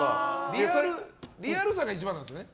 リアルさが一番なんですよね